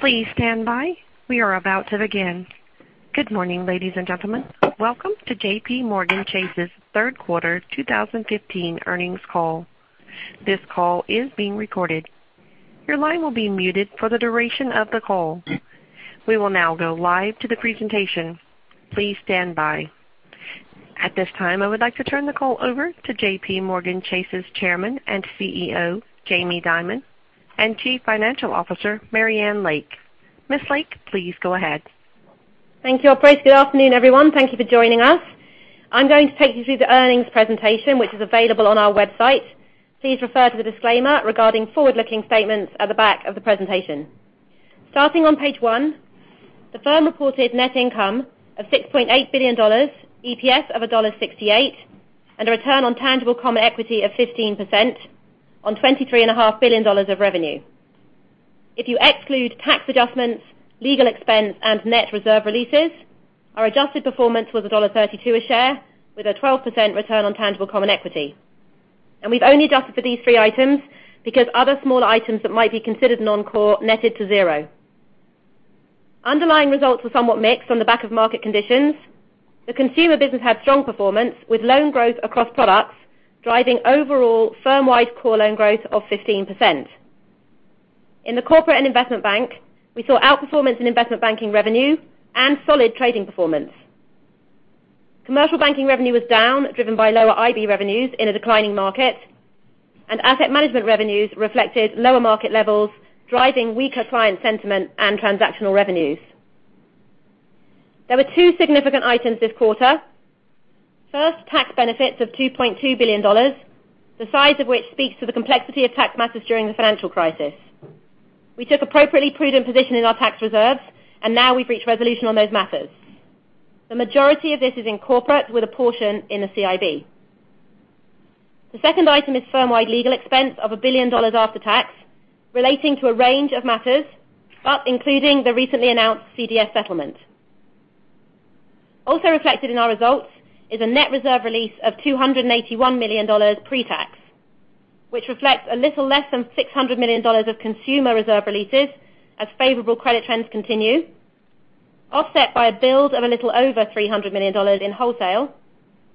Please stand by. We are about to begin. Good morning, ladies and gentlemen. Welcome to JPMorgan Chase's third quarter 2015 earnings call. This call is being recorded. Your line will be muted for the duration of the call. We will now go live to the presentation. Please stand by. At this time, I would like to turn the call over to JPMorgan Chase's Chairman and CEO, Jamie Dimon, and Chief Financial Officer, Marianne Lake. Ms. Lake, please go ahead. Thank you, operator. Good afternoon, everyone. Thank you for joining us. I'm going to take you through the earnings presentation, which is available on our website. Please refer to the disclaimer regarding forward-looking statements at the back of the presentation. Starting on page one, the firm reported net income of $6.8 billion, EPS of $1.68, and a return on tangible common equity of 15% on $23.5 billion of revenue. If you exclude tax adjustments, legal expense, and net reserve releases, our adjusted performance was $1.32 a share with a 12% return on tangible common equity. We've only adjusted for these three items because other smaller items that might be considered non-core netted to zero. Underlying results were somewhat mixed on the back of market conditions. The consumer business had strong performance, with loan growth across products driving overall firm-wide core loan growth of 15%. In the corporate and investment bank, we saw outperformance in investment banking revenue and solid trading performance. Commercial banking revenue was down, driven by lower IB revenues in a declining market, and asset management revenues reflected lower market levels, driving weaker client sentiment and transactional revenues. There were two significant items this quarter. First, tax benefits of $2.2 billion, the size of which speaks to the complexity of tax matters during the financial crisis. We took appropriately prudent position in our tax reserves, and now we've reached resolution on those matters. The majority of this is in corporate with a portion in the CIB. The second item is firm-wide legal expense of $1 billion after tax, relating to a range of matters, but including the recently announced CDS settlement. Also reflected in our results is a net reserve release of $281 million pre-tax, which reflects a little less than $600 million of consumer reserve releases as favorable credit trends continue, offset by a build of a little over $300 million in wholesale,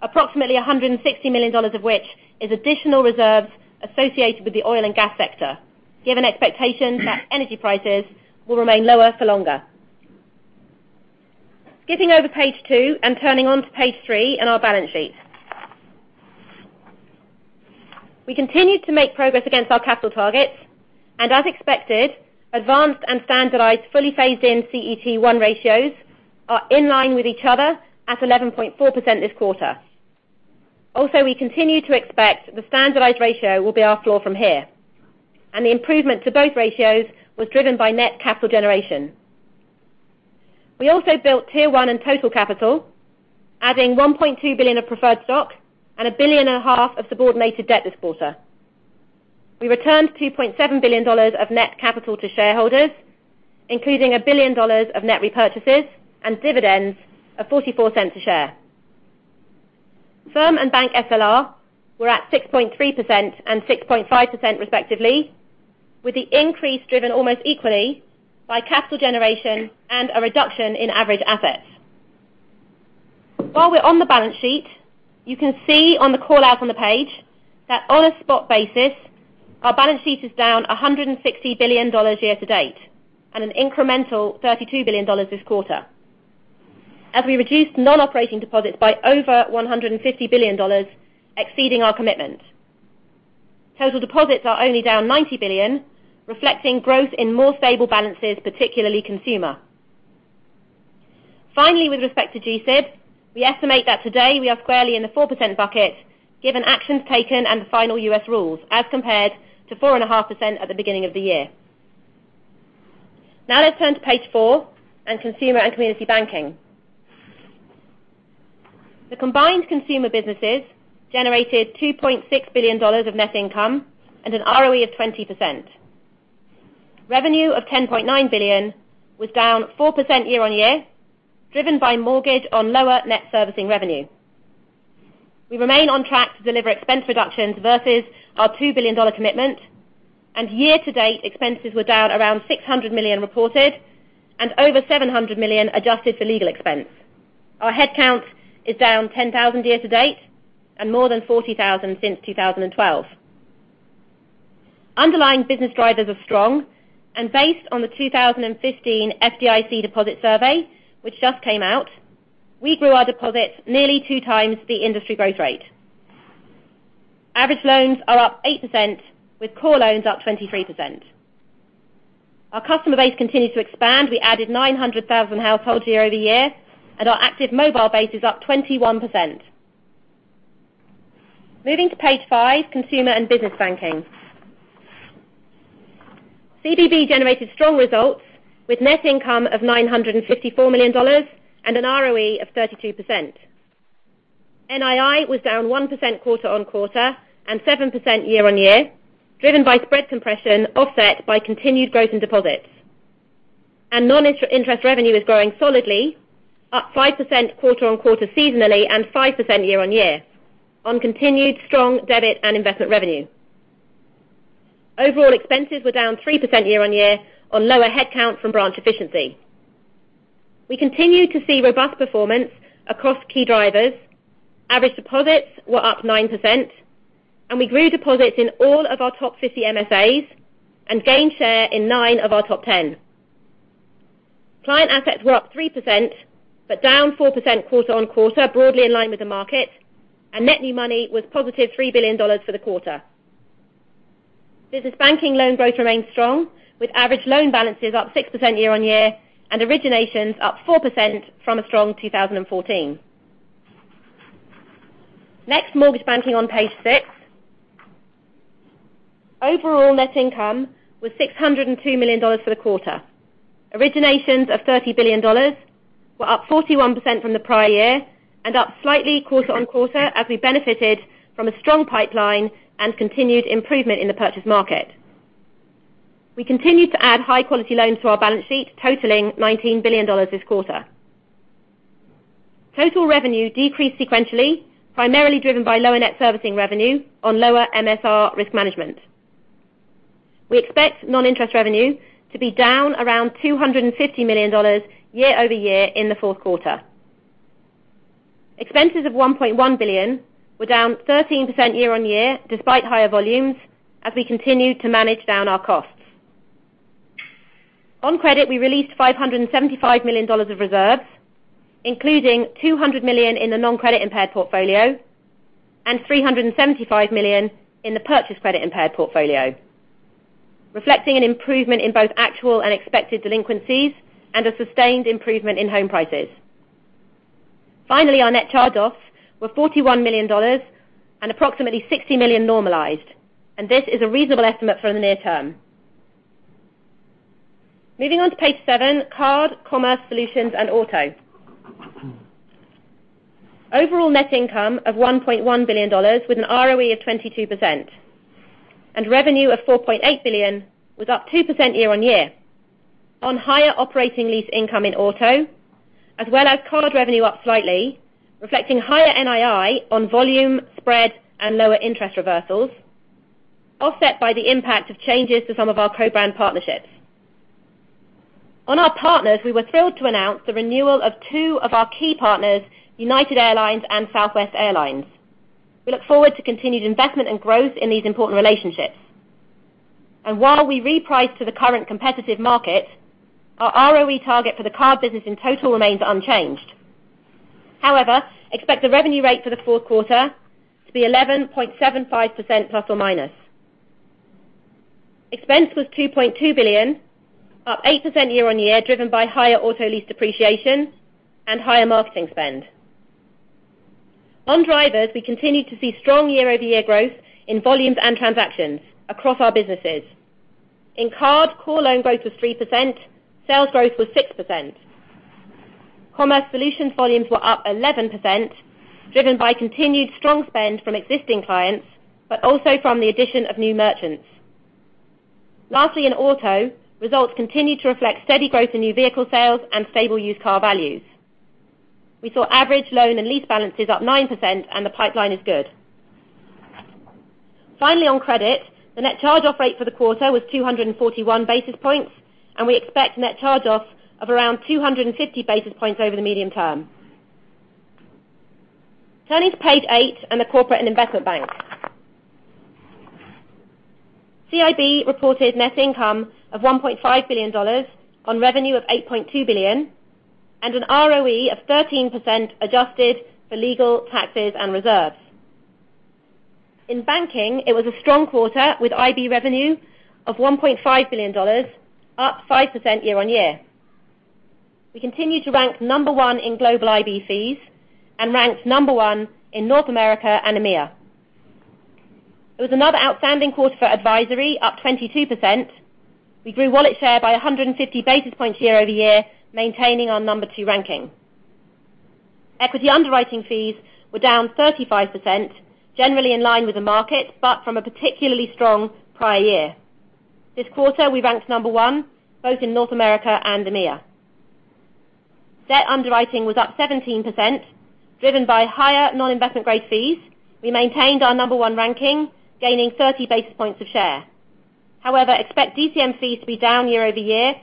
approximately $160 million of which is additional reserves associated with the oil and gas sector, given expectations that energy prices will remain lower for longer. Skipping over page two and turning on to page three and our balance sheet. We continued to make progress against our capital targets, and as expected, advanced and standardized fully phased in CET1 ratios are in line with each other at 11.4% this quarter. Also, we continue to expect the standardized ratio will be our floor from here, and the improvement to both ratios was driven by net capital generation. We also built Tier 1 and total capital, adding $1.2 billion of preferred stock and a billion and a half of subordinated debt this quarter. We returned $2.7 billion of net capital to shareholders, including $1 billion of net repurchases and dividends of $0.44 a share. Firm and bank SLR were at 6.3% and 6.5% respectively, with the increase driven almost equally by capital generation and a reduction in average assets. While we're on the balance sheet, you can see on the call-out on the page that on a spot basis, our balance sheet is down $160 billion year-to-date, and an incremental $32 billion this quarter, as we reduced non-operating deposits by over $150 billion, exceeding our commitment. Total deposits are only down $90 billion, reflecting growth in more stable balances, particularly consumer. With respect to GSIB, we estimate that today we are squarely in the 4% bucket given actions taken and the final U.S. rules, as compared to 4.5% at the beginning of the year. Let's turn to page four on consumer and community banking. The combined consumer businesses generated $2.6 billion of net income and an ROE of 20%. Revenue of $10.9 billion was down 4% year-on-year, driven by mortgage on lower net servicing revenue. We remain on track to deliver expense reductions versus our $2 billion commitment, and year-to-date, expenses were down around $600 million reported and over $700 million adjusted for legal expense. Our headcount is down 10,000 year-to-date and more than 40,000 since 2012. Underlying business drivers are strong, based on the 2015 FDIC deposit survey, which just came out, we grew our deposits nearly two times the industry growth rate. Average loans are up 8%, with core loans up 23%. Our customer base continues to expand. We added 900,000 households year-over-year, and our active mobile base is up 21%. Moving to page five, consumer and business banking. CBB generated strong results with net income of $954 million and an ROE of 32%. NII was down 1% quarter-on-quarter and 7% year-on-year, driven by spread compression offset by continued growth in deposits. Non-interest revenue is growing solidly, up 5% quarter-on-quarter seasonally, and 5% year-on-year on continued strong debit and investment revenue. Overall expenses were down 3% year-on-year on lower headcount from branch efficiency. We continue to see robust performance across key drivers. Average deposits were up 9%, we grew deposits in all of our top 50 MSAs and gained share in nine of our top 10. Client assets were up 3% but down 4% quarter-on-quarter, broadly in line with the market, net new money was positive $3 billion for the quarter. Business banking loan growth remains strong, with average loan balances up 6% year-on-year, originations up 4% from a strong 2014. Mortgage banking on page six. Overall net income was $602 million for the quarter. Originations of $30 billion were up 41% from the prior year and up slightly quarter-on-quarter as we benefited from a strong pipeline and continued improvement in the purchase market. We continued to add high-quality loans to our balance sheet, totaling $19 billion this quarter. Total revenue decreased sequentially, primarily driven by lower net servicing revenue on lower MSR risk management. We expect non-interest revenue to be down around $250 million year-on-year in the fourth quarter. Expenses of $1.1 billion were down 13% year-on-year despite higher volumes as we continued to manage down our costs. On credit, we released $575 million of reserves, including $200 million in the non-credit impaired portfolio and $375 million in the purchase credit-impaired portfolio, reflecting an improvement in both actual and expected delinquencies and a sustained improvement in home prices. Finally, our net charge-offs were $41 million and approximately $60 million normalized, and this is a reasonable estimate for the near term. Moving on to page seven, Card, Commerce Solutions, and Auto. Overall net income of $1.1 billion with an ROE of 22%, and revenue of $4.8 billion was up 2% year-on-year on higher operating lease income in Auto, as well as Card revenue up slightly, reflecting higher NII on volume spread and lower interest reversals, offset by the impact of changes to some of our co-brand partnerships. On our partners, we were thrilled to announce the renewal of two of our key partners, United Airlines and Southwest Airlines. We look forward to continued investment and growth in these important relationships. While we reprice to the current competitive market, our ROE target for the Card business in total remains unchanged. However, expect the revenue rate for the fourth quarter to be 11.75% ±. Expense was $2.2 billion, up 8% year-on-year, driven by higher Auto lease depreciation and higher marketing spend. On drivers, we continued to see strong year-over-year growth in volumes and transactions across our businesses. In Card, core loan growth was 3%, sales growth was 6%. Commerce Solutions volumes were up 11%, driven by continued strong spend from existing clients, but also from the addition of new merchants. Lastly, in Auto, results continued to reflect steady growth in new vehicle sales and stable used car values. We saw average loan and lease balances up 9%, and the pipeline is good. Finally, on credit, the net charge-off rate for the quarter was 241 basis points, and we expect net charge-offs of around 250 basis points over the medium term. Turning to page eight and the Corporate and Investment Bank. CIB reported net income of $1.5 billion on revenue of $8.2 billion and an ROE of 13% adjusted for legal, taxes, and reserves. In banking, it was a strong quarter with IB revenue of $1.5 billion, up 5% year-on-year. We continue to rank number 1 in global IB fees and ranked number 1 in North America and EMEA. It was another outstanding quarter for advisory, up 22%. We grew wallet share by 150 basis points year-over-year, maintaining our number 2 ranking. Equity underwriting fees were down 35%, generally in line with the market, but from a particularly strong prior year. This quarter, we ranked number 1 both in North America and EMEA. Debt underwriting was up 17%, driven by higher non-investment grade fees. We maintained our number 1 ranking, gaining 30 basis points of share. However, expect DCM fees to be down year-over-year,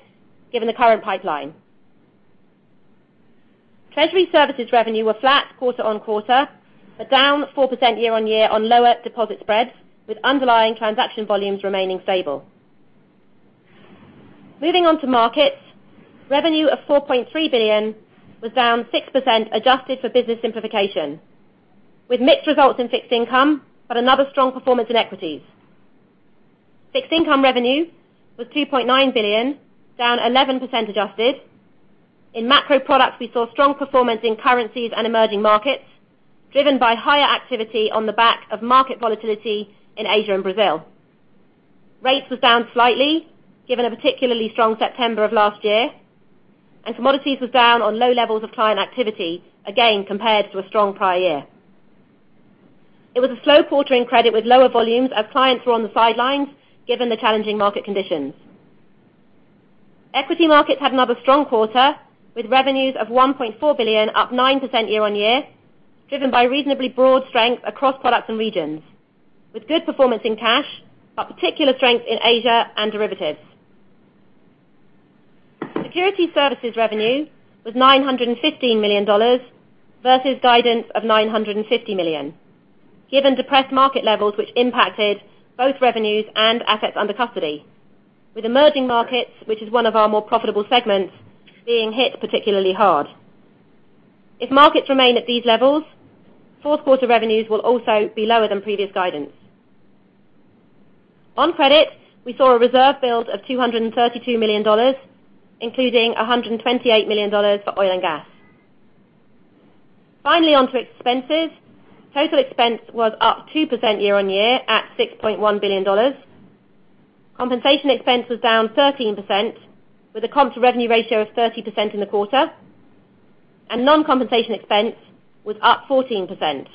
given the current pipeline. Treasury services revenue was flat quarter-on-quarter, but down 4% year-on-year on lower deposit spreads, with underlying transaction volumes remaining stable. Moving on to markets. Revenue of $4.3 billion was down 6% adjusted for business simplification, with mixed results in fixed income but another strong performance in equities. Fixed income revenue was $2.9 billion, down 11% adjusted. In macro products, we saw strong performance in currencies and emerging markets, driven by higher activity on the back of market volatility in Asia and Brazil. Rates was down slightly, given a particularly strong September of last year, and commodities was down on low levels of client activity, again, compared to a strong prior year. It was a slow quarter in credit with lower volumes as clients were on the sidelines, given the challenging market conditions. Equity markets had another strong quarter, with revenues of $1.4 billion, up 9% year-on-year, driven by reasonably broad strength across products and regions, with good performance in cash, but particular strength in Asia and derivatives. Securities services revenue was $915 million versus guidance of $950 million, given depressed market levels, which impacted both revenues and assets under custody, with emerging markets, which is one of our more profitable segments, being hit particularly hard. If markets remain at these levels, fourth quarter revenues will also be lower than previous guidance. On credit, we saw a reserve build of $232 million, including $128 million for oil and gas. Finally, onto expenses. Total expense was up 2% year-on-year at $6.1 billion. Compensation expense was down 13%, with a comp-to-revenue ratio of 30% in the quarter, and non-compensation expense was up 14%,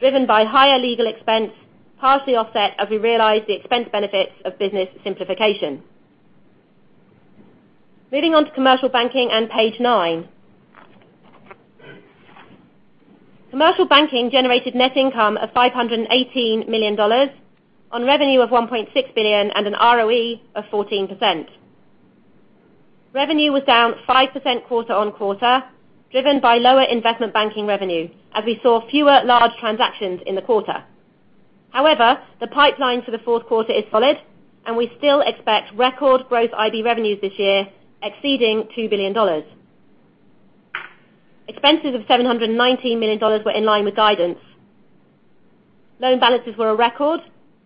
driven by higher legal expense, partially offset as we realized the expense benefits of business simplification. Moving on to Commercial Banking and page nine. Commercial Banking generated net income of $518 million on revenue of $1.6 billion and an ROE of 14%. Revenue was down 5% quarter-on-quarter, driven by lower investment banking revenue as we saw fewer large transactions in the quarter. The pipeline for the fourth quarter is solid, and we still expect record growth IB revenues this year exceeding $2 billion. Expenses of $719 million were in line with guidance. Loan balances were a record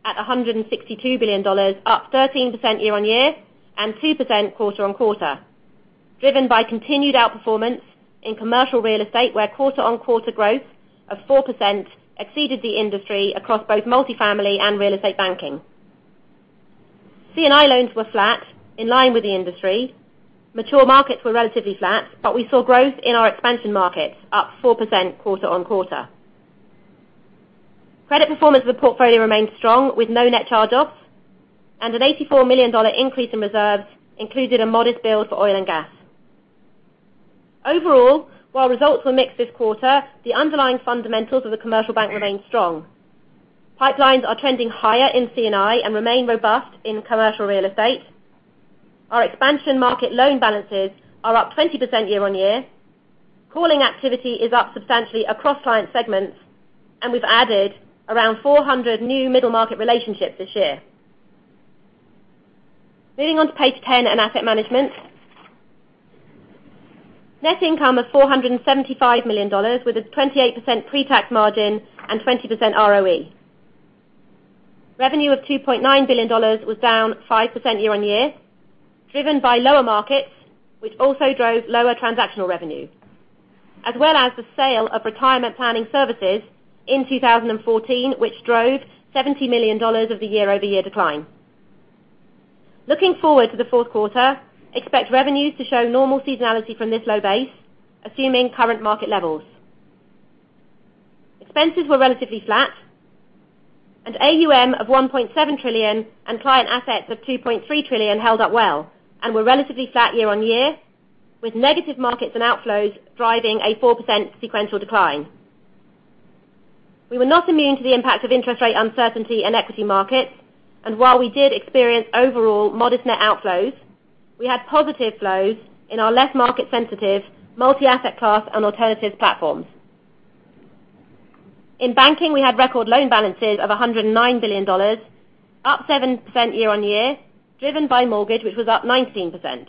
at $162 billion, up 13% year-on-year and 2% quarter-on-quarter, driven by continued outperformance in commercial real estate, where quarter-on-quarter growth of 4% exceeded the industry across both multi-family and real estate banking. C&I loans were flat, in line with the industry. Mature markets were relatively flat, but we saw growth in our expansion markets, up 4% quarter-on-quarter. Credit performance of the portfolio remained strong, with no net charge-offs, and an $84 million increase in reserves included a modest build for oil and gas. Overall, while results were mixed this quarter, the underlying fundamentals of the commercial bank remain strong. Pipelines are trending higher in C&I and remain robust in commercial real estate. Our expansion market loan balances are up 20% year-on-year. Calling activity is up substantially across client segments, and we've added around 400 new middle-market relationships this year. Moving on to page 10 and Asset Management. Net income of $475 million with a 28% pretax margin and 20% ROE. Revenue of $2.9 billion was down 5% year-on-year, driven by lower markets, which also drove lower transactional revenue, as well as the sale of retirement planning services in 2014, which drove $70 million of the year-over-year decline. Looking forward to the fourth quarter, expect revenues to show normal seasonality from this low base, assuming current market levels. Expenses were relatively flat, and AUM of $1.7 trillion and client assets of $2.3 trillion held up well and were relatively flat year-on-year, with negative markets and outflows driving a 4% sequential decline. We were not immune to the impact of interest rate uncertainty in equity markets, and while we did experience overall modest net outflows, we had positive flows in our less market sensitive multi-asset class and alternatives platforms. In banking, we had record loan balances of $109 billion, up 7% year-on-year, driven by mortgage, which was up 19%.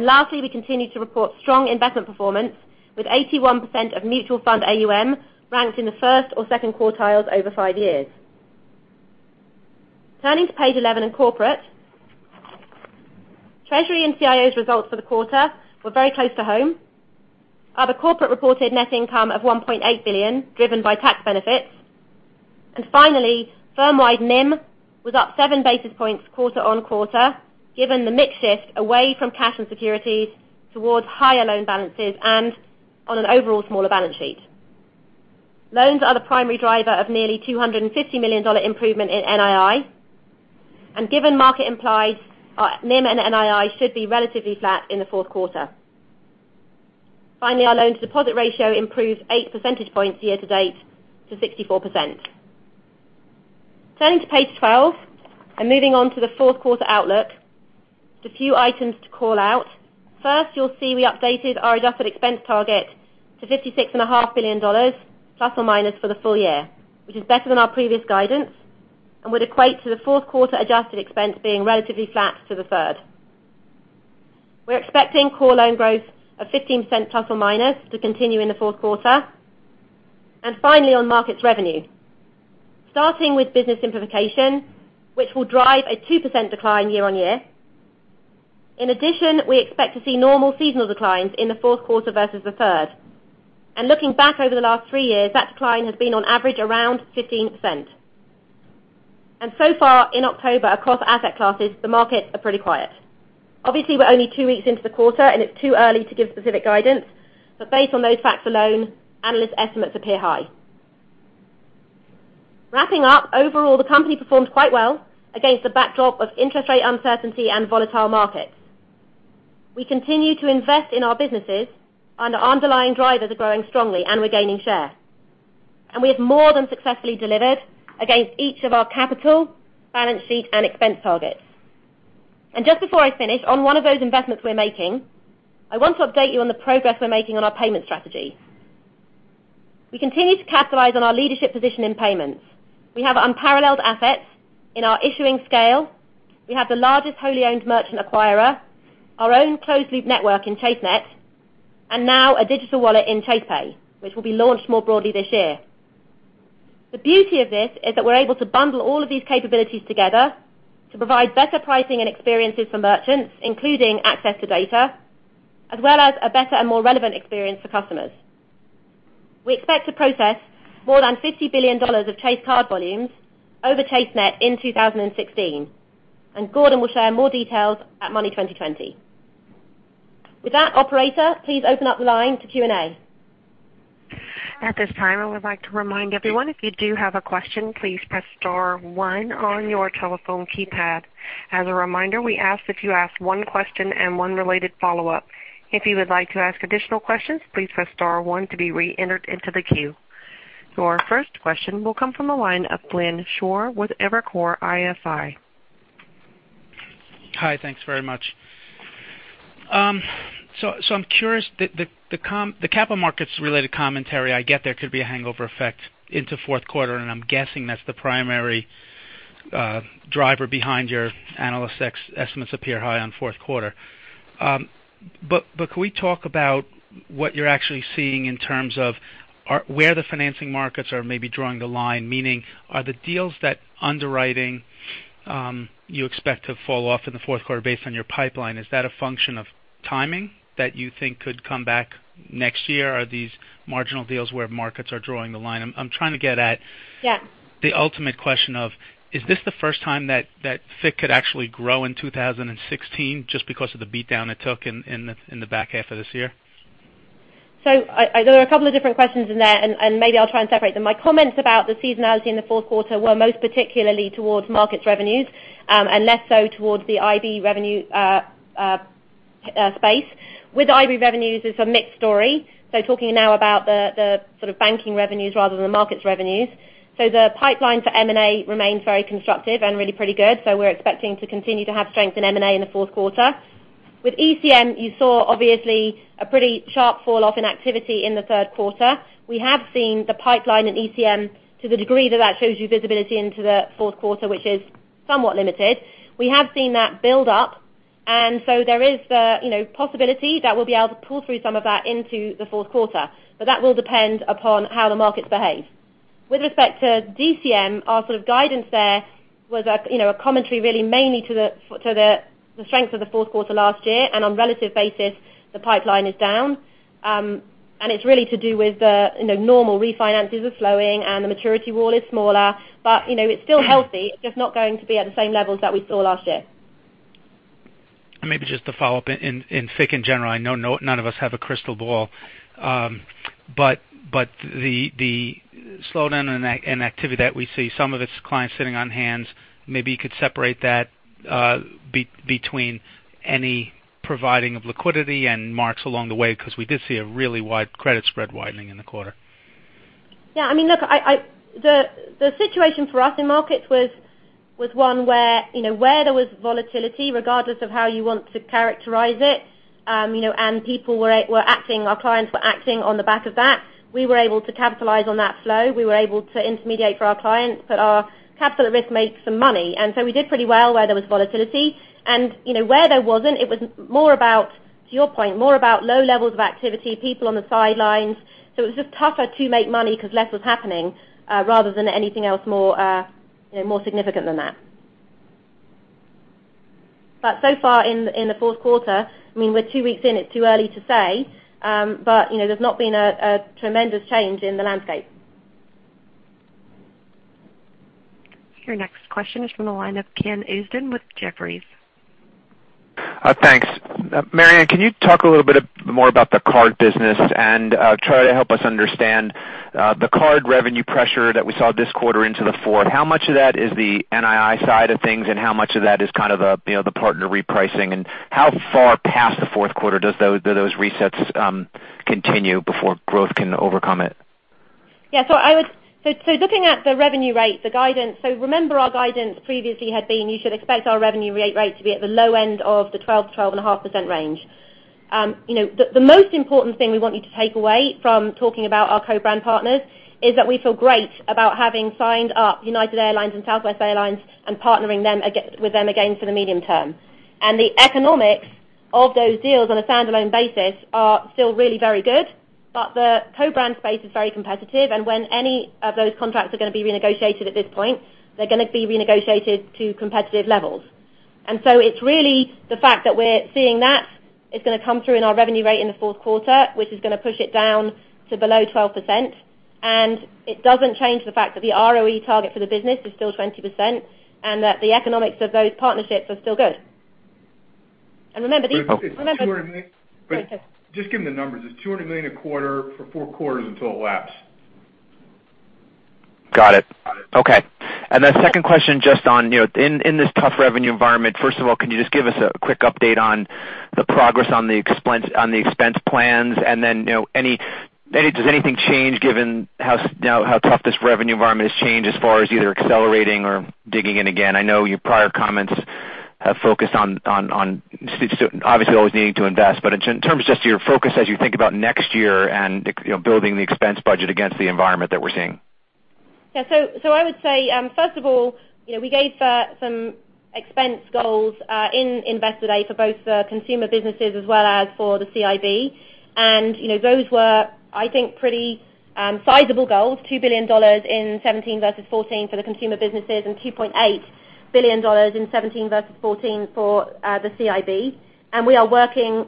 Lastly, we continued to report strong investment performance, with 81% of mutual fund AUM ranked in the first or second quartiles over five years. Turning to page 11 in corporate. Treasury and CIO's results for the quarter were very close to home. Other corporate reported net income of $1.8 billion, driven by tax benefits. Finally, firm-wide NIM was up seven basis points quarter-on-quarter, given the mix shift away from cash and securities towards higher loan balances and on an overall smaller balance sheet. Loans are the primary driver of nearly $250 million improvement in NII, and given market implies, NIM and NII should be relatively flat in the fourth quarter. Finally, our loan-to-deposit ratio improved eight percentage points year to date to 64%. Turning to page 12 and moving on to the fourth quarter outlook. Just a few items to call out. First, you'll see we updated our adjusted expense target to $56.5 billion ± for the full year, which is better than our previous guidance and would equate to the fourth quarter adjusted expense being relatively flat to the third. We're expecting core loan growth of 15% ± to continue in the fourth quarter. Finally, on markets revenue, starting with business simplification, which will drive a 2% decline year-on-year. In addition, we expect to see normal seasonal declines in the fourth quarter versus the third. Looking back over the last three years, that decline has been on average around 15%. So far in October, across asset classes, the markets are pretty quiet. Obviously, we're only two weeks into the quarter, and it's too early to give specific guidance, but based on those facts alone, analyst estimates appear high. Wrapping up, overall, the company performed quite well against the backdrop of interest rate uncertainty and volatile markets. We continue to invest in our businesses, and our underlying drivers are growing strongly, and we're gaining share. We have more than successfully delivered against each of our capital, balance sheet, and expense targets. Just before I finish, on one of those investments we're making, I want to update you on the progress we're making on our payment strategy. We continue to capitalize on our leadership position in payments. We have unparalleled assets in our issuing scale, we have the largest wholly owned merchant acquirer, our own closed-loop network in ChaseNet, and now a digital wallet in Chase Pay, which will be launched more broadly this year. The beauty of this is that we're able to bundle all of these capabilities together to provide better pricing and experiences for merchants, including access to data, as well as a better and more relevant experience for customers. We expect to process more than $50 billion of Chase card volumes over ChaseNet in 2016, and Gordon will share more details at Money20/20. With that, operator, please open up the line to Q&A. At this time, I would like to remind everyone, if you do have a question, please press star one on your telephone keypad. As a reminder, we ask that you ask one question and one related follow-up. If you would like to ask additional questions, please press star one to be re-entered into the queue. Your first question will come from the line of Glenn Schorr with Evercore ISI. Hi, thanks very much. I'm curious. The capital markets related commentary, I get there could be a hangover effect into fourth quarter, and I'm guessing that's the primary driver behind your analyst estimates appear high on fourth quarter. But could we talk about what you're actually seeing in terms of where the financing markets are maybe drawing the line, meaning are the deals that underwriting you expect to fall off in the fourth quarter based on your pipeline, is that a function of timing that you think could come back next year? Are these marginal deals where markets are drawing the line? I'm trying to get at- Yeah the ultimate question of, is this the first time that FICC could actually grow in 2016 just because of the beat down it took in the back half of this year? There are a couple of different questions in there, and maybe I'll try and separate them. My comments about the seasonality in the fourth quarter were most particularly towards markets revenues, and less so towards the IB revenue space. With IB revenues, it's a mixed story. Talking now about the sort of banking revenues rather than the markets revenues. The pipeline for M&A remains very constructive and really pretty good, so we're expecting to continue to have strength in M&A in the fourth quarter. With ECM, you saw obviously a pretty sharp fall-off in activity in the third quarter. We have seen the pipeline in ECM to the degree that that shows you visibility into the fourth quarter, which is somewhat limited. We have seen that build up, there is the possibility that we'll be able to pull through some of that into the fourth quarter. That will depend upon how the markets behave. With respect to DCM, our sort of guidance there was a commentary really mainly to the strength of the fourth quarter last year, and on relative basis, the pipeline is down. It's really to do with normal refinances are flowing and the maturity wall is smaller. It's still healthy, it's just not going to be at the same levels that we saw last year. Maybe just to follow up in FICC in general, I know none of us have a crystal ball. The slowdown in activity that we see, some of it's clients sitting on hands. Maybe you could separate that between any providing of liquidity and marks along the way, because we did see a really wide credit spread widening in the quarter. Yeah. The situation for us in markets was one where there was volatility, regardless of how you want to characterize it, and our clients were acting on the back of that. We were able to capitalize on that flow. We were able to intermediate for our clients, put our capital at risk, make some money. We did pretty well where there was volatility. Where there wasn't, it was, to your point, more about low levels of activity, people on the sidelines. It was just tougher to make money because less was happening, rather than anything else more significant than that. So far in the fourth quarter, we're two weeks in, it's too early to say, but there's not been a tremendous change in the landscape. Your next question is from the line of Ken Usdin with Jefferies. Thanks. Marianne, can you talk a little bit more about the card business and try to help us understand the card revenue pressure that we saw this quarter into the fourth? How much of that is the NII side of things, and how much of that is kind of the partner repricing, and how far past the fourth quarter do those resets continue before growth can overcome it? Yeah. Looking at the revenue rate, the guidance, remember our guidance previously had been, you should expect our revenue rate to be at the low end of the 12%-12.5% range. The most important thing we want you to take away from talking about our co-brand partners is that we feel great about having signed up United Airlines and Southwest Airlines and partnering with them again for the medium term. The economics of those deals on a standalone basis are still really very good, but the co-brand space is very competitive, and when any of those contracts are going to be renegotiated at this point, they're going to be renegotiated to competitive levels. It's really the fact that we're seeing that is going to come through in our revenue rate in the fourth quarter, which is going to push it down to below 12%. It doesn't change the fact that the ROE target for the business is still 20%, and that the economics of those partnerships are still good. Just give me the numbers. It's $200 million a quarter for four quarters until it lapses. Got it. Okay. The second question, just on in this tough revenue environment. First of all, can you just give us a quick update on the progress on the expense plans? Does anything change given how tough this revenue environment has changed as far as either accelerating or digging in again? I know your prior comments have focused on obviously always needing to invest, but in order just of your focus as you think about next year and building the expense budget against the environment that we're seeing. Yeah. I would say, first of all, we gave some expense goals in Investor Day for both the consumer businesses as well as for the CIB. Those were, I think, pretty sizable goals, $2 billion in 2017 versus 2014 for the consumer businesses, and $2.8 billion in 2017 versus 2014 for the CIB. We are working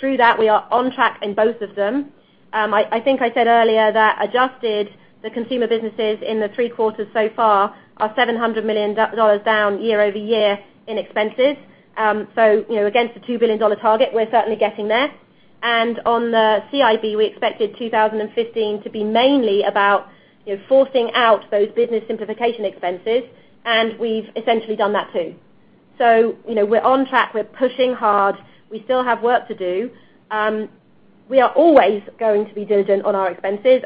through that. We are on track in both of them. I think I said earlier that adjusted the consumer businesses in the three quarters so far are $700 million down year-over-year in expenses. Against the $2 billion target, we're certainly getting there. On the CIB, we expected 2015 to be mainly about forcing out those business simplification expenses, and we've essentially done that too. We're on track. We're pushing hard. We still have work to do. We are always going to be diligent on our expenses.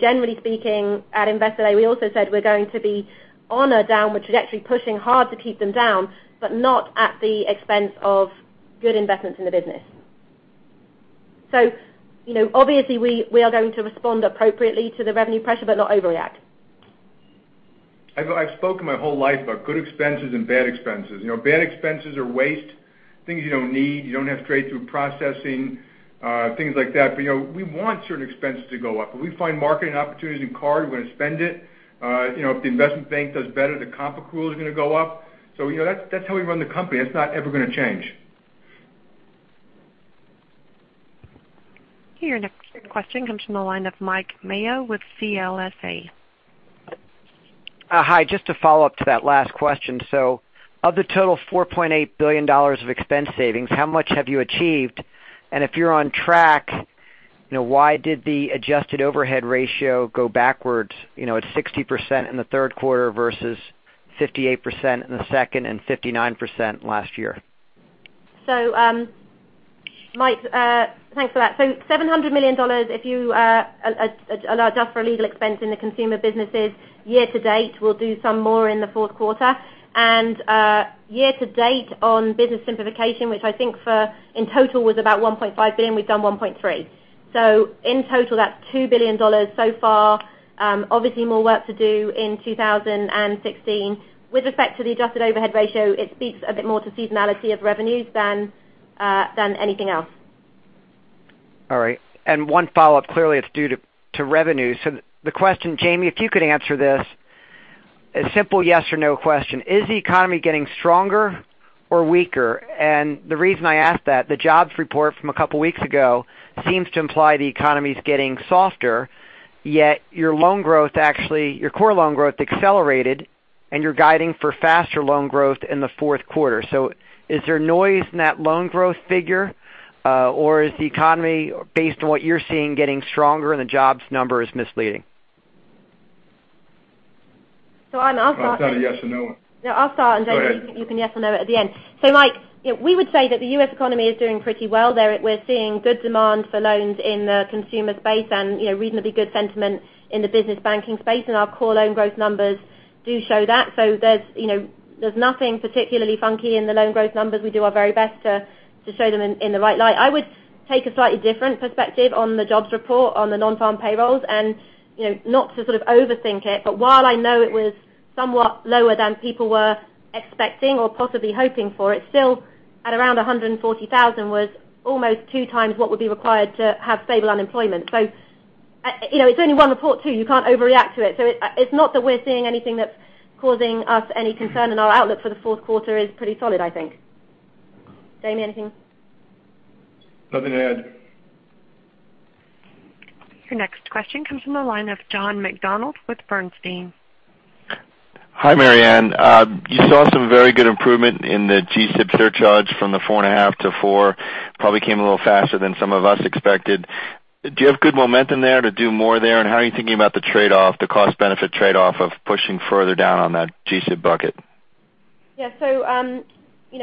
Generally speaking, at Investor Day, we also said we're going to be on a downward trajectory, pushing hard to keep them down, but not at the expense of good investments in the business. Obviously we are going to respond appropriately to the revenue pressure, but not overreact. I've spoken my whole life about good expenses and bad expenses. Bad expenses are waste, things you don't need, you don't have straight-through processing, things like that. We want certain expenses to go up. If we find marketing opportunities in card, we're going to spend it. If the investment bank does better, the comp accrual is going to go up. That's how we run the company. That's not ever going to change. Your next question comes from the line of Mike Mayo with CLSA. Hi. Just to follow up to that last question. Of the total $4.8 billion of expense savings, how much have you achieved? And if you're on track, why did the adjusted overhead ratio go backwards? It's 60% in the third quarter versus 58% in the second, and 59% last year. Mike, thanks for that. $700 million if you adjust for legal expense in the consumer businesses year to date. We'll do some more in the fourth quarter. Year to date on business simplification, which I think in total was about $1.5 billion. We've done $1.3 billion. In total, that's $2 billion so far. Obviously more work to do in 2016. With respect to the adjusted overhead ratio, it speaks a bit more to seasonality of revenues than anything else. All right. One follow-up. Clearly it's due to revenue. The question, Jamie, if you could answer this, a simple yes or no question. Is the economy getting stronger or weaker? The reason I ask that, the jobs report from a couple of weeks ago seems to imply the economy is getting softer, yet your core loan growth accelerated, and you're guiding for faster loan growth in the fourth quarter. Is there noise in that loan growth figure? Is the economy, based on what you're seeing, getting stronger and the jobs number is misleading? I'll start. It's not a yes or no one. No, I'll start and Jamie. Go ahead Mike, we would say that the U.S. economy is doing pretty well there. We're seeing good demand for loans in the consumer space and reasonably good sentiment in the business banking space, and our core loan growth numbers do show that. There's nothing particularly funky in the loan growth numbers. We do our very best to show them in the right light. I would take a slightly different perspective on the jobs report on the non-farm payrolls. Not to sort of overthink it, but while I know it was somewhat lower than people were expecting or possibly hoping for, it's still at around 140,000 was almost two times what would be required to have stable unemployment. It's only one report too. You can't overreact to it. It's not that we're seeing anything that's causing us any concern and our outlook for the fourth quarter is pretty solid, I think. Jamie, anything? Nothing to add. Your next question comes from the line of John McDonald with Bernstein. Hi, Marianne. You saw some very good improvement in the GSIB surcharge from the four and a half to four. Probably came a little faster than some of us expected. Do you have good momentum there to do more there? How are you thinking about the cost-benefit trade-off of pushing further down on that GSIB bucket? Yeah.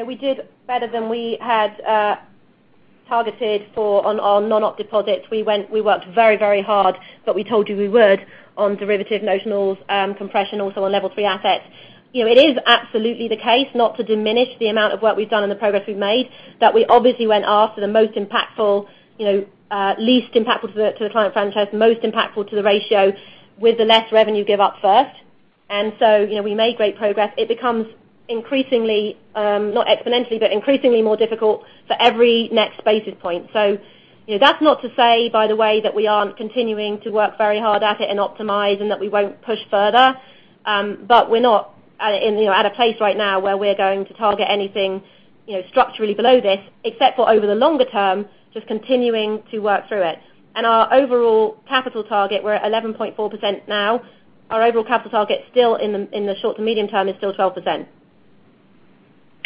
We did better than we had targeted for on our non-op deposits. We worked very hard, but we told you we would on derivative notionals compression also on level 3 assets. It is absolutely the case, not to diminish the amount of work we've done and the progress we've made, that we obviously went after the least impactful to the client franchise, most impactful to the ratio with the less revenue give up first. We made great progress. It becomes increasingly, not exponentially, but increasingly more difficult for every next basis point. That's not to say, by the way, that we aren't continuing to work very hard at it and optimize and that we won't push further. We're not at a place right now where we're going to target anything structurally below this, except for over the longer term, just continuing to work through it. Our overall capital target, we're at 11.4% now. Our overall capital target in the short to medium term is still 12%.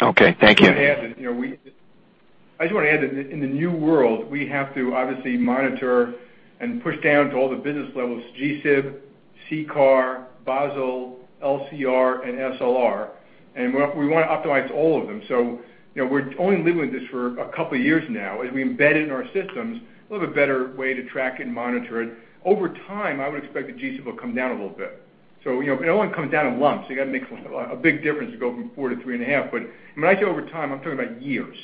Okay, thank you. I just want to add that in the new world, we have to obviously monitor and push down to all the business levels, GSIB, CCAR, Basel, LCR, and SLR. We want to optimize all of them. We're only living with this for a couple of years now. As we embed it in our systems, we'll have a better way to track and monitor it. Over time, I would expect the GSIB will come down a little bit. It only comes down in lumps. You've got to make a big difference to go from 4 to 3.5. When I say over time, I'm talking about years.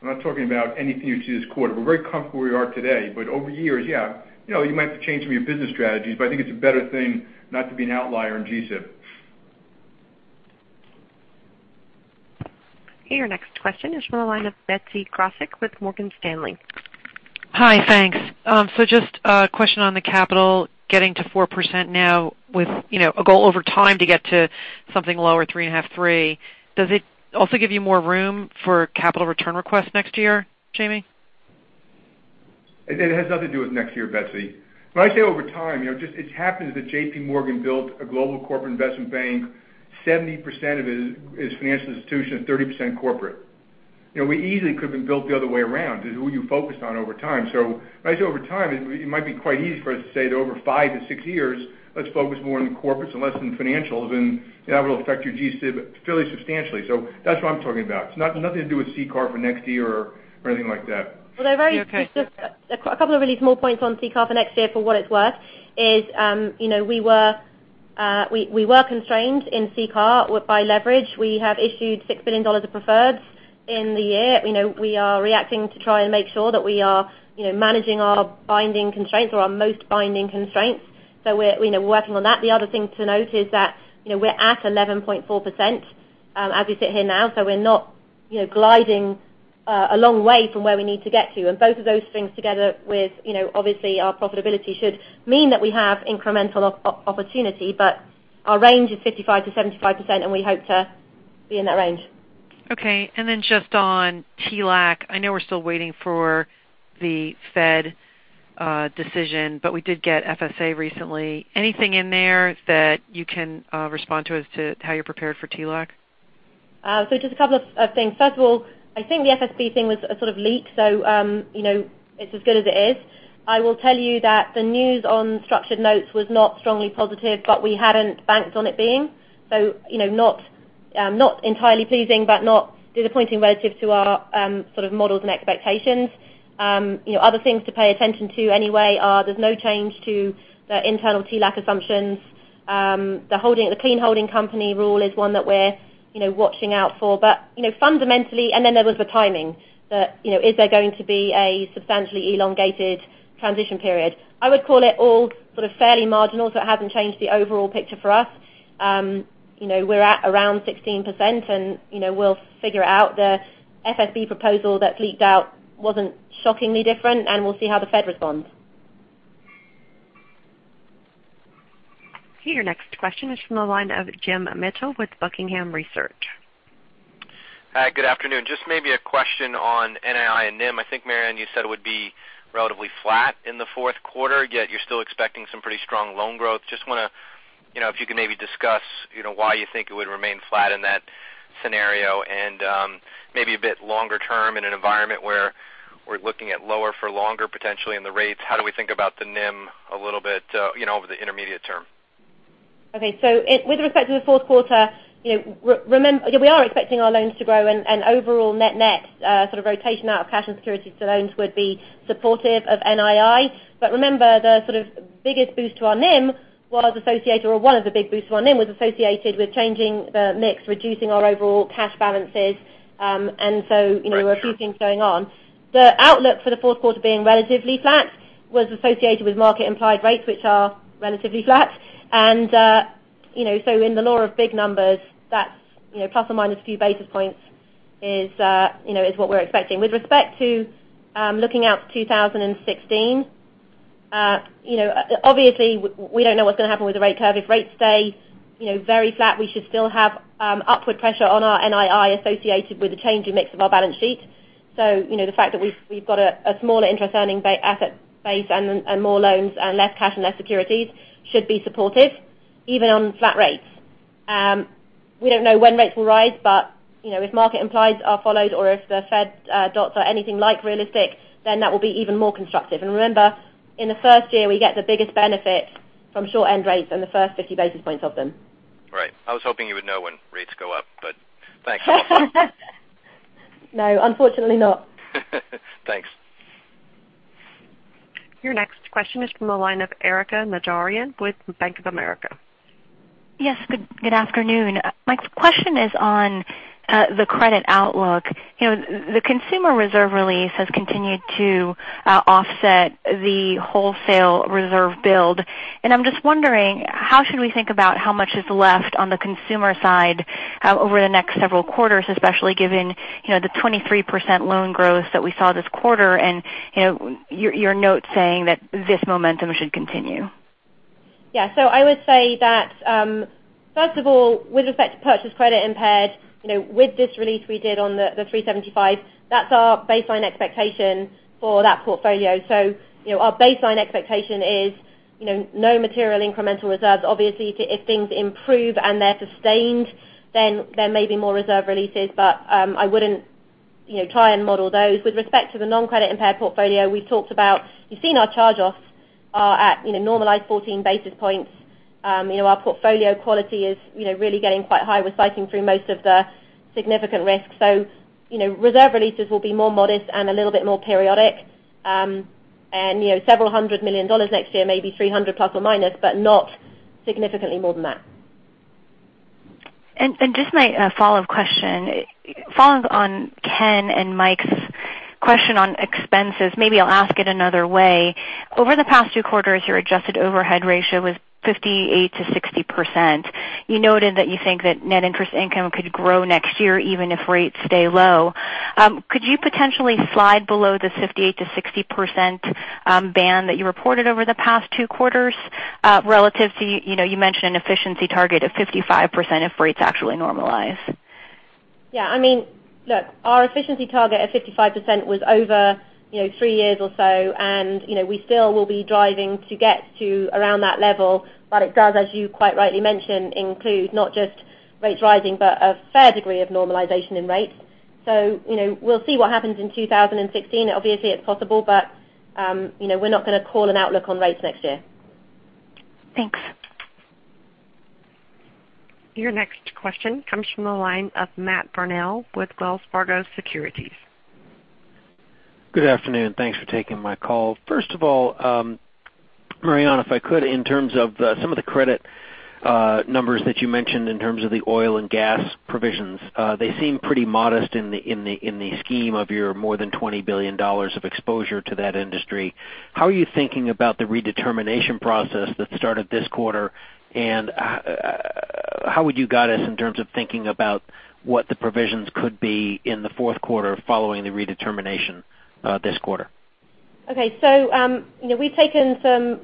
I'm not talking about anything you see this quarter. We're very comfortable where we are today. Over years, yeah, you might have to change some of your business strategies, but I think it's a better thing not to be an outlier in GSIB. Your next question is from the line of Betsy Graseck with Morgan Stanley. Hi, thanks. Just a question on the capital getting to 4% now with a goal over time to get to something lower, 3.5%, 3%. Does it also give you more room for capital return requests next year, Jamie? It has nothing to do with next year, Betsy. When I say over time, it just so happens that JPMorgan built a global corporate investment bank, 70% of it is financial institution, 30% corporate. We easily could have been built the other way around, is who you focused on over time. When I say over time, it might be quite easy for us to say that over five to six years, let's focus more on the corporates and less on financials, and that will affect your GSIB fairly substantially. That's what I'm talking about. It's nothing to do with CCAR for next year or anything like that. Okay. A couple of really small points on CCAR for next year, for what it's worth, is we were constrained in CCAR by leverage. We have issued $6 billion of preferreds in the year. We are reacting to try and make sure that we are managing our binding constraints or our most binding constraints. The other thing to note is that we're at 11.4% as we sit here now, so we're not gliding a long way from where we need to get to. Both of those things together with obviously our profitability should mean that we have incremental opportunity, but our range is 55%-75%, and we hope to be in that range. Okay. Just on TLAC, I know we're still waiting for the Fed decision, but we did get FSB recently. Anything in there that you can respond to as to how you're prepared for TLAC? Just a couple of things. First of all, I think the FSP thing was a sort of leak. It's as good as it is. I will tell you that the news on structured notes was not strongly positive, but we hadn't banked on it being. Not entirely pleasing, but not disappointing relative to our sort of models and expectations. Other things to pay attention to anyway are there's no change to the internal TLAC assumptions. The clean holding company rule is one that we're watching out for. Then there was the timing, that is there going to be a substantially elongated transition period? I would call it all sort of fairly marginal, so it hasn't changed the overall picture for us. We're at around 16%, and we'll figure out the FSP proposal that leaked out wasn't shockingly different, and we'll see how the Fed responds. Your next question is from the line of Jim Mitchell with Buckingham Research. Hi, good afternoon. Maybe a question on NII and NIM. I think, Marianne, you said it would be relatively flat in the fourth quarter, yet you're still expecting some pretty strong loan growth. Wonder if you could maybe discuss why you think it would remain flat in that scenario and maybe a bit longer term in an environment where we're looking at lower for longer potentially in the rates. How do we think about the NIM a little bit over the intermediate term? Okay. With respect to the fourth quarter, we are expecting our loans to grow and overall net-net sort of rotation out of cash and securities to loans would be supportive of NII. Remember, one of the big boosts to our NIM was associated with changing the mix, reducing our overall cash balances, and so there were a few things going on. The outlook for the fourth quarter being relatively flat was associated with market-implied rates, which are relatively flat. In the law of big numbers, that plus or minus a few basis points is what we're expecting. With respect to looking out to 2016, obviously we don't know what's going to happen with the rate curve. If rates stay very flat, we should still have upward pressure on our NII associated with the changing mix of our balance sheet. The fact that we've got a smaller interest-earning asset base and more loans and less cash and less securities should be supportive, even on flat rates. We don't know when rates will rise, but if market implies are followed or if the Fed dots are anything like realistic, that will be even more constructive. Remember, in the first year, we get the biggest benefit from short-end rates and the first 50 basis points of them. Right. I was hoping you would know when rates go up, but thanks. No, unfortunately not. Thanks. Your next question is from the line of Erika Najarian with Bank of America. Yes, good afternoon. My question is on the credit outlook. The consumer reserve release has continued to offset the wholesale reserve build, and I'm just wondering, how should we think about how much is left on the consumer side over the next several quarters, especially given the 23% loan growth that we saw this quarter and your note saying that this momentum should continue? Yeah. I would say that, first of all, with respect to purchase credit impaired, with this release we did on the $375, that's our baseline expectation for that portfolio. Our baseline expectation is no material incremental reserves. Obviously, if things improve and they're sustained, then there may be more reserve releases. I wouldn't try and model those. With respect to the non-credit impaired portfolio, we talked about, you've seen our charge-offs are at normalized 14 basis points. Our portfolio quality is really getting quite high. We're cycling through most of the significant risks. Reserve releases will be more modest and a little bit more periodic. Several hundred million dollars next year, maybe $300 plus or minus, but not significantly more than that. Just my follow-up question, follows on Ken and Mike's question on expenses. Maybe I'll ask it another way. Over the past two quarters, your adjusted overhead ratio was 58%-60%. You noted that you think that net interest income could grow next year even if rates stay low. Could you potentially slide below the 58%-60% band that you reported over the past two quarters relative to, you mentioned an efficiency target of 55% if rates actually normalize? Yeah. Look, our efficiency target of 55% was over three years or so, and we still will be driving to get to around that level. It does, as you quite rightly mentioned, include not just rates rising, but a fair degree of normalization in rates. We'll see what happens in 2016. Obviously, it's possible, but we're not going to call an outlook on rates next year. Thanks. Your next question comes from the line of Matthew Burnell with Wells Fargo Securities. Good afternoon. Thanks for taking my call. First of all, Marianne, if I could, in terms of some of the credit numbers that you mentioned in terms of the oil and gas provisions, they seem pretty modest in the scheme of your more than $20 billion of exposure to that industry. How are you thinking about the redetermination process that started this quarter? How would you guide us in terms of thinking about what the provisions could be in the fourth quarter following the redetermination this quarter? Okay. We've taken some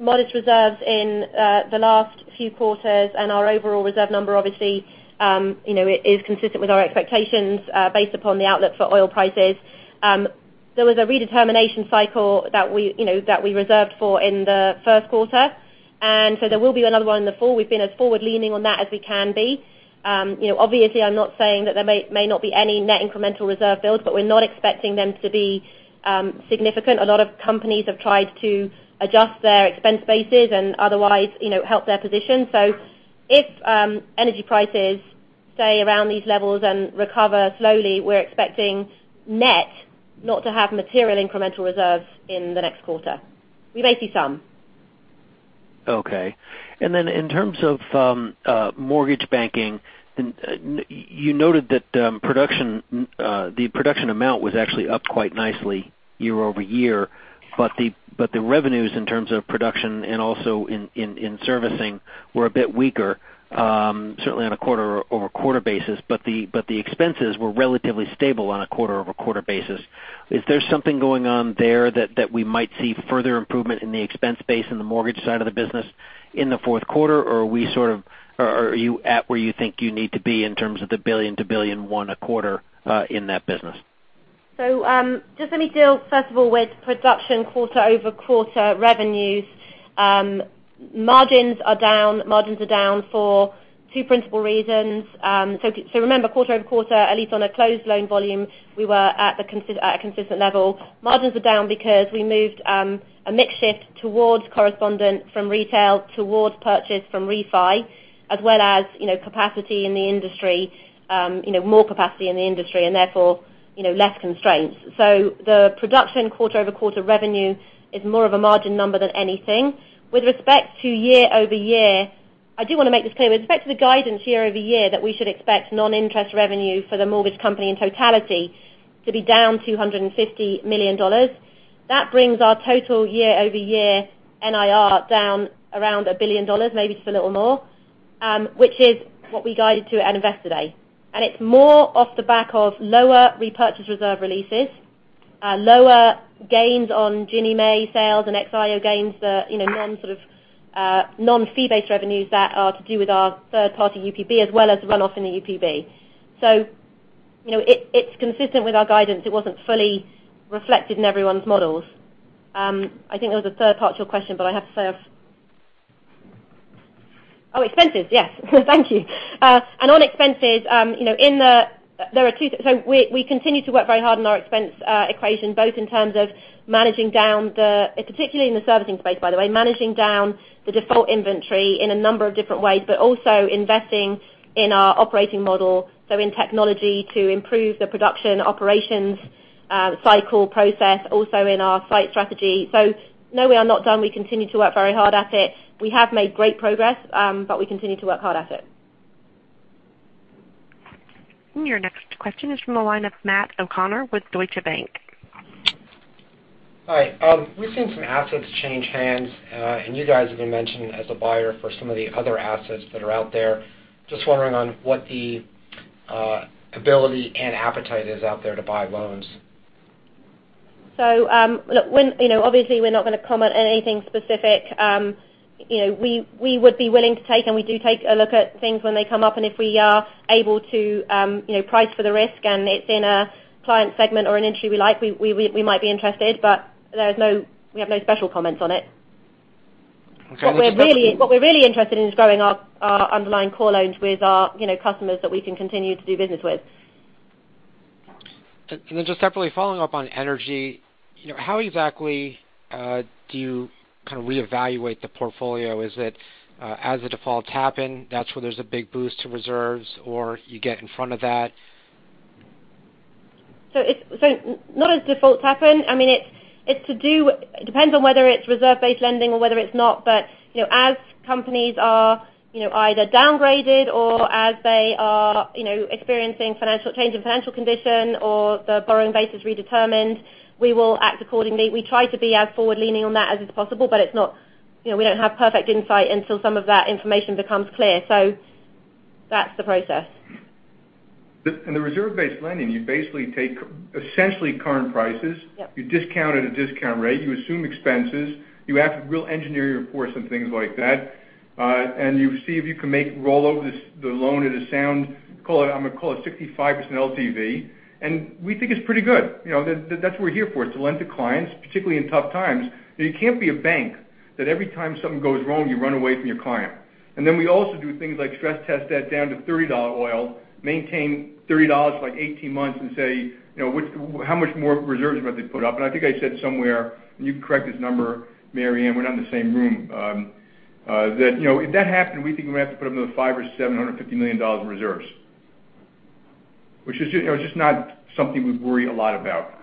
modest reserves in the last few quarters, and our overall reserve number, obviously is consistent with our expectations based upon the outlook for oil prices. There was a redetermination cycle that we reserved for in the first quarter. There will be another one in the fall. We've been as forward-leaning on that as we can be. Obviously, I'm not saying that there may not be any net incremental reserve builds, but we're not expecting them to be significant. A lot of companies have tried to adjust their expense bases and otherwise help their position. If energy prices stay around these levels and recover slowly, we're expecting net not to have material incremental reserves in the next quarter. We may see some. Okay. In terms of mortgage banking, you noted that the production amount was actually up quite nicely year-over-year. The revenues in terms of production and also in servicing were a bit weaker, certainly on a quarter-over-quarter basis, but the expenses were relatively stable on a quarter-over-quarter basis. Is there something going on there that we might see further improvement in the expense base in the mortgage side of the business in the fourth quarter? Are you at where you think you need to be in terms of the $1 billion-$1.1 billion a quarter in that business? Just let me deal first of all with production quarter-over-quarter revenues. Margins are down for two principal reasons. Remember, quarter-over-quarter, at least on a closed loan volume, we were at a consistent level. Margins are down because we moved a mix shift towards correspondent from retail, towards purchase from refi, as well as capacity in the industry, more capacity in the industry, and therefore, less constraints. The production quarter-over-quarter revenue is more of a margin number than anything. With respect to year-over-year, I do want to make this clear. With respect to the guidance year-over-year, that we should expect non-interest revenue for the mortgage company in totality to be down $250 million. That brings our total year-over-year NIR down around $1 billion, maybe just a little more, which is what we guided to at Investor Day. It's more off the back of lower repurchase reserve releases, lower gains on Ginnie Mae sales and XIO gains, the non fee-based revenues that are to do with our third-party UPB as well as runoff in the UPB. It's consistent with our guidance. It wasn't fully reflected in everyone's models. I think there was a third part to your question. Oh, expenses. Yes. Thank you. On expenses, we continue to work very hard on our expense equation, both in terms of managing down, particularly in the servicing space, by the way, managing down the default inventory in a number of different ways, but also investing in our operating model, in technology to improve the production operations cycle process, also in our site strategy. No, we are not done. We continue to work very hard at it. We have made great progress, but we continue to work hard at it. Your next question is from the line of Matt O'Connor with Deutsche Bank. Hi. We've seen some assets change hands, and you guys have been mentioned as a buyer for some of the other assets that are out there. Just wondering on what the ability and appetite is out there to buy loans. Obviously we're not going to comment on anything specific. We would be willing to take, and we do take a look at things when they come up, and if we are able to price for the risk and it's in a client segment or an industry we like, we might be interested, but we have no special comments on it. Okay. What we're really interested in is growing our underlying core loans with our customers that we can continue to do business with. Just separately following up on energy. How exactly do you kind of reevaluate the portfolio? Is it as the defaults happen, that's where there's a big boost to reserves, or you get in front of that? Not as defaults happen. It depends on whether it's reserve-based lending or whether it's not. As companies are either downgraded or as they are experiencing financial change in financial condition or the borrowing base is redetermined, we will act accordingly. We try to be as forward-leaning on that as is possible, but we don't have perfect insight until some of that information becomes clear. That's the process. In the reserve-based lending, you basically take essentially current prices. Yep. You discount at a discount rate, you assume expenses, you have real engineering reports and things like that. You see if you can make roll over the loan at a sound, I'm going to call it 65% LTV. We think it's pretty good. That's what we're here for, to lend to clients, particularly in tough times. You can't be a bank, that every time something goes wrong, you run away from your client. We also do things like stress test that down to $30 oil, maintain $30 for 18 months and say, "How much more reserves might they put up?" I think I said somewhere, and you can correct this number, Marianne, we're not in the same room, that if that happened, we think we're going to have to put another $500 or $750 million in reserves, which is just not something we worry a lot about.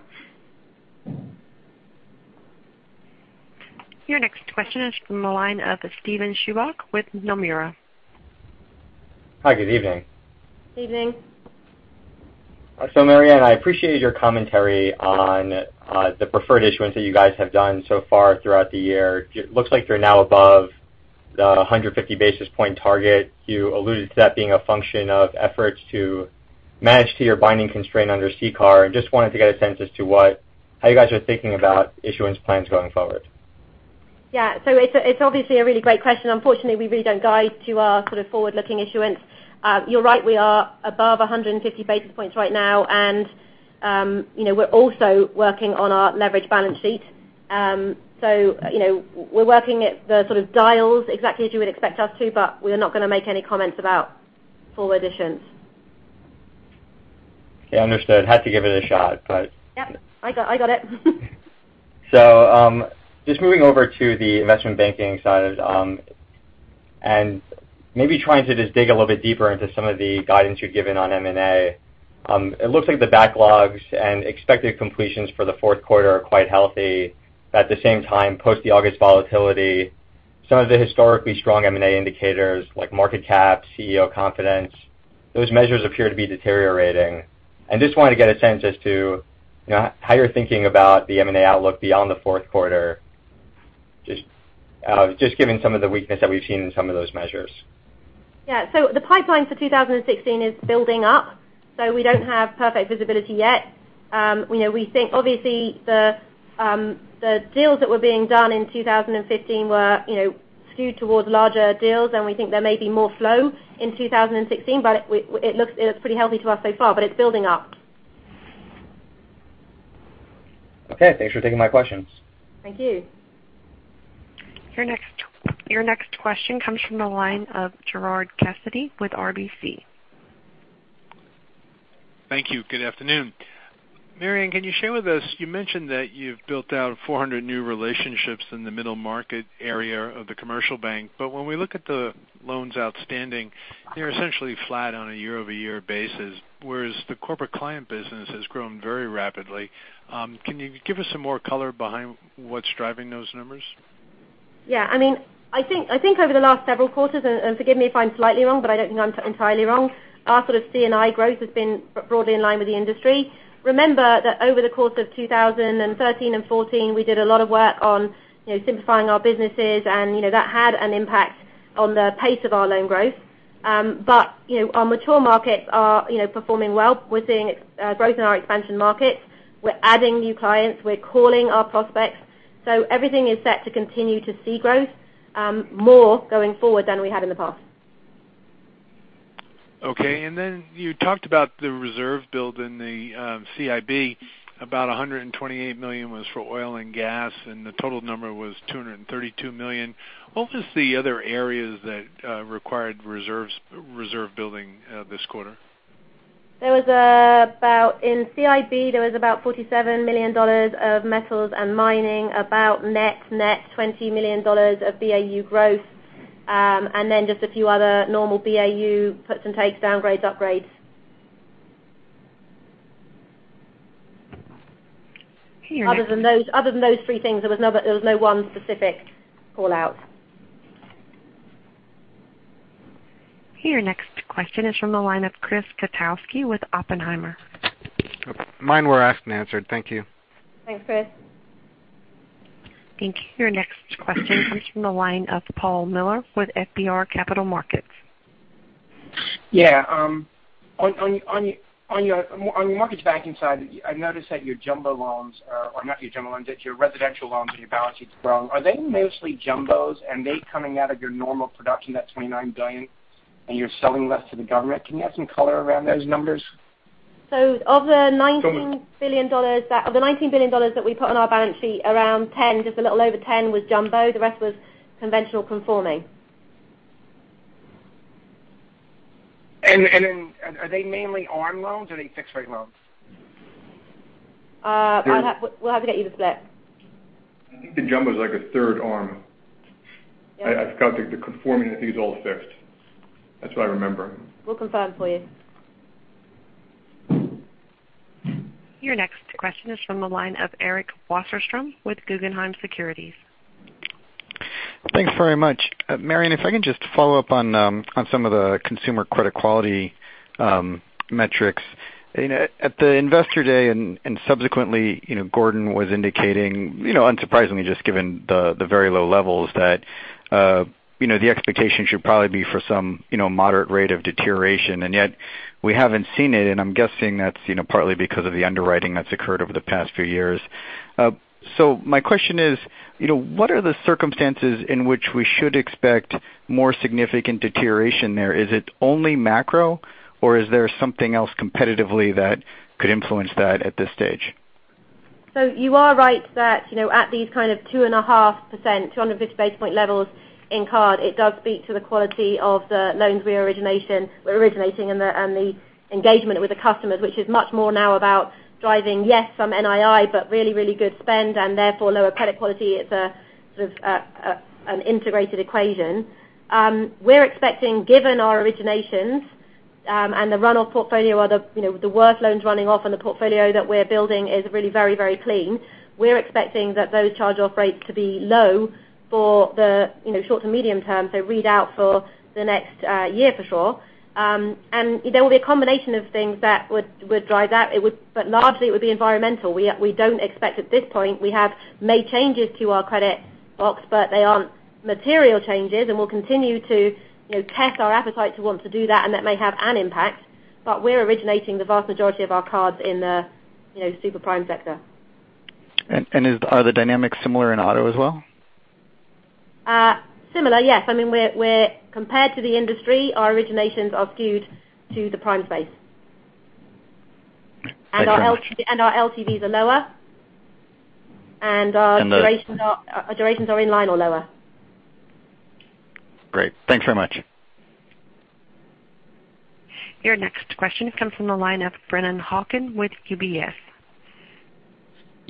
Your next question is from the line of Steven Chubak with Nomura. Hi, good evening. Evening. Marianne, I appreciated your commentary on the preferred issuance that you guys have done so far throughout the year. Looks like you're now above the 150 basis point target. You alluded to that being a function of efforts to manage to your binding constraint under CCAR, just wanted to get a sense as to how you guys are thinking about issuance plans going forward. It's obviously a really great question. Unfortunately, we really don't guide to our sort of forward-looking issuance. You're right, we are above 150 basis points right now, and we're also working on our leverage balance sheet. We're working it, the sort of dials exactly as you would expect us to, but we are not going to make any comments about forward issuance. Okay, understood. Had to give it a shot. Yep. I got it. Just moving over to the investment banking side, and maybe trying to just dig a little bit deeper into some of the guidance you'd given on M&A. It looks like the backlogs and expected completions for the fourth quarter are quite healthy. At the same time, post the August volatility, some of the historically strong M&A indicators like market cap, CEO confidence, those measures appear to be deteriorating. Just wanted to get a sense as to how you're thinking about the M&A outlook beyond the fourth quarter, just given some of the weakness that we've seen in some of those measures. The pipeline for 2016 is building up, so we don't have perfect visibility yet. We think obviously the deals that were being done in 2015 were skewed towards larger deals, and we think there may be more flow in 2016, but it looks pretty healthy to us so far. It's building up. Okay, thanks for taking my questions. Thank you. Your next question comes from the line of Gerard Cassidy with RBC. Thank you. Good afternoon. Mary Anne, can you share with us, you mentioned that you've built out 400 new relationships in the middle market area of the commercial bank, but when we look at the loans outstanding, they're essentially flat on a year-over-year basis, whereas the corporate client business has grown very rapidly. Can you give us some more color behind what's driving those numbers? Yeah. I think over the last several quarters, and forgive me if I'm slightly wrong, but I don't think I'm entirely wrong. Our sort of C&I growth has been broadly in line with the industry. Remember that over the course of 2013 and 2014, we did a lot of work on simplifying our businesses, and that had an impact on the pace of our loan growth. Our mature markets are performing well. We're seeing growth in our expansion markets. We're adding new clients. We're calling our prospects. Everything is set to continue to see growth, more going forward than we had in the past. Okay. You talked about the reserve build in the CIB, about $128 million was for oil and gas, and the total number was $232 million. What was the other areas that required reserve building this quarter? In CIB, there was about $47 million of metals and mining, about net $20 million of BAU growth. Just a few other normal BAU puts and takes, downgrades, upgrades. Your- Other than those three things, there was no one specific call-out. Your next question is from the line of Chris Kotowski with Oppenheimer. Mine were asked and answered. Thank you. Thanks, Chris. Thank you. Your next question comes from the line of Paul Miller with FBR Capital Markets. Yeah. On your mortgage banking side, I noticed that your jumbo loans are, or not your jumbo loans, that your residential loans on your balance sheet have grown. Are they mostly jumbos, and they coming out of your normal production, that $29 billion, and you're selling less to the government? Can you add some color around those numbers? Of the $19 billion that we put on our balance sheet, around ten, just a little over ten was jumbo. The rest was conventional conforming. Are they mainly ARM loans or are they fixed-rate loans? We'll have to get you the split. I think the jumbo is like a third ARM. Yeah. I forgot, the conforming, I think is all fixed. That's what I remember. We'll confirm for you. Your next question is from the line of Eric Wasserstrom with Guggenheim Securities. Thanks very much. Marianne, if I can just follow up on some of the consumer credit quality metrics. At the Investor Day and subsequently, Gordon was indicating, unsurprisingly just given the very low levels that the expectation should probably be for some moderate rate of deterioration. Yet we haven't seen it. I'm guessing that's partly because of the underwriting that's occurred over the past few years. My question is, what are the circumstances in which we should expect more significant deterioration there? Is it only macro or is there something else competitively that could influence that at this stage? You are right that, at these kind of 2.5%, 250 basis point levels in card, it does speak to the quality of the loans we're originating and the engagement with the customers, which is much more now about driving, yes, some NII, but really good spend and therefore lower credit quality. It's a sort of an integrated equation. We're expecting, given our originations, and the run-off portfolio or the worst loans running off and the portfolio that we're building is really very, very clean. We're expecting that those charge-off rates to be low for the short to medium term, so read out for the next year for sure. There will be a combination of things that would drive that, but largely it would be environmental. We don't expect at this point, we have made changes to our credit box, but they aren't material changes, and we'll continue to test our appetite to want to do that, and that may have an impact. We're originating the vast majority of our cards in the super prime sector. Are the dynamics similar in auto as well? Similar, yes. I mean, compared to the industry, our originations are skewed to the prime space. Thanks very much. Our LTVs are lower, and our durations are in line or lower. Great. Thanks very much. Your next question comes from the line of Brennan Hawken with UBS.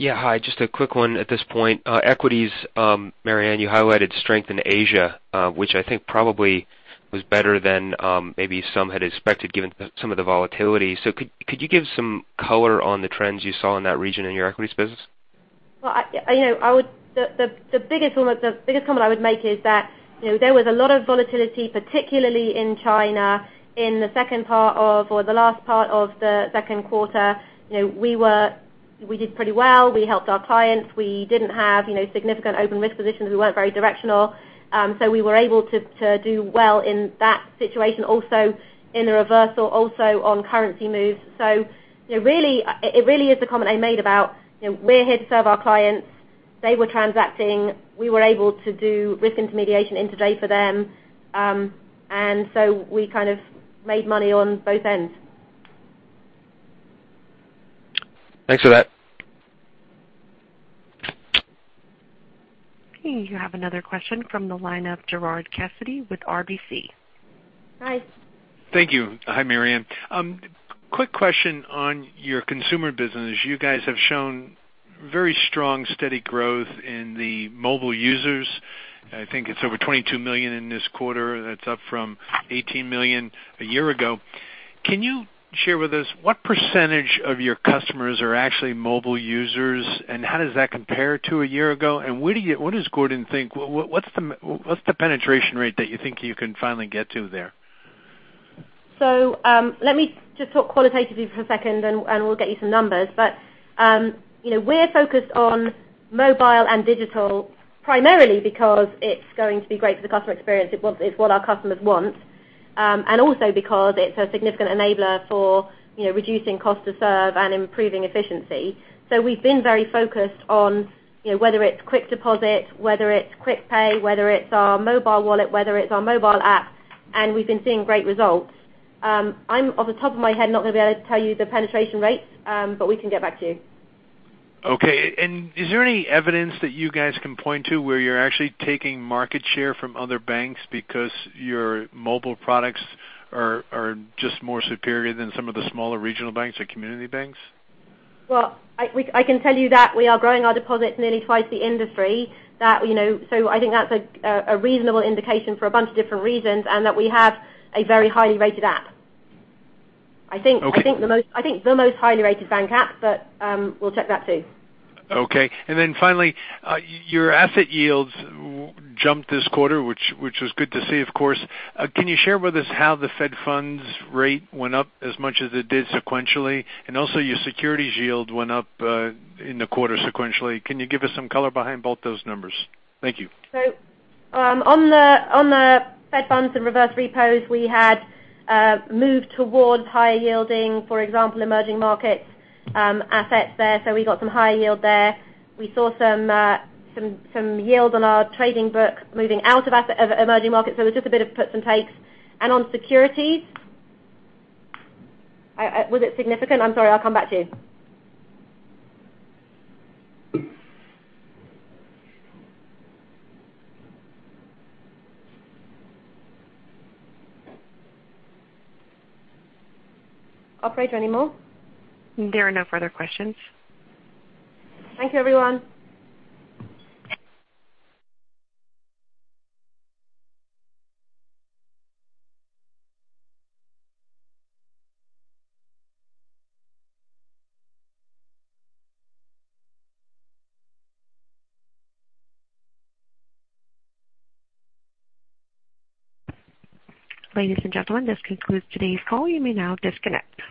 Yeah, hi, just a quick one at this point. Equities, Marianne, you highlighted strength in Asia, which I think probably was better than maybe some had expected given some of the volatility. Could you give some color on the trends you saw in that region in your equities business? Well, the biggest comment I would make is that there was a lot of volatility, particularly in China in the second part of, or the last part of the second quarter. We did pretty well. We helped our clients. We didn't have significant open risk positions. We weren't very directional. We were able to do well in that situation, also in the reversal, also on currency moves. It really is the comment I made about we're here to serve our clients. They were transacting. We were able to do risk intermediation intraday for them. We kind of made money on both ends. Thanks for that. You have another question from the line of Gerard Cassidy with RBC. Hi. Thank you. Hi, Marianne. Quick question on your consumer business. You guys have shown very strong, steady growth in the mobile users. I think it's over 22 million in this quarter. That's up from 18 million a year ago. Can you share with us what percentage of your customers are actually mobile users, and how does that compare to a year ago? What does Gordon think? What's the penetration rate that you think you can finally get to there? Let me just talk qualitatively for a second, and we'll get you some numbers. We're focused on mobile and digital primarily because it's going to be great for the customer experience. It's what our customers want. Also because it's a significant enabler for reducing cost to serve and improving efficiency. We've been very focused on whether it's quick deposit, whether it's quick pay, whether it's our mobile wallet, whether it's our mobile app, and we've been seeing great results. I'm, off the top of my head, not going to be able to tell you the penetration rates, but we can get back to you. Okay. Is there any evidence that you guys can point to where you're actually taking market share from other banks because your mobile products are just more superior than some of the smaller regional banks or community banks? Well, I can tell you that we are growing our deposits nearly twice the industry. I think that's a reasonable indication for a bunch of different reasons, and that we have a very highly rated app. Okay. I think the most highly rated bank app, we'll check that too. Okay. Then finally, your asset yields jumped this quarter, which was good to see, of course. Can you share with us how the Fed funds rate went up as much as it did sequentially? Also your securities yield went up in the quarter sequentially. Can you give us some color behind both those numbers? Thank you. On the Fed funds and reverse repos, we had moved towards higher yielding, for example, emerging markets assets there. We got some high yield there. We saw some yield on our trading book moving out of emerging markets. It was just a bit of puts and takes. On securities, was it significant? I'm sorry, I'll come back to you. Operator, any more? There are no further questions. Thank you, everyone. Ladies and gentlemen, this concludes today's call. You may now disconnect.